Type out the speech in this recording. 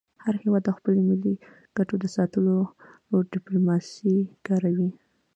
هر هېواد د خپلو ملي ګټو د ساتلو لپاره ډيپلوماسي کاروي.